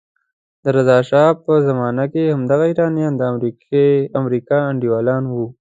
د رضا شا په زمانه کې همدغه ایران د امریکا انډیوال وو.